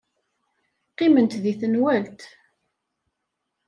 Qqiment deg tenwalt.